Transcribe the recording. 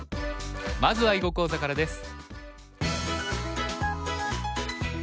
まずは囲碁講座からです。